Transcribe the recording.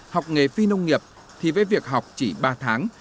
học nghề phi nông nghiệp thì với việc học chỉ ba tháng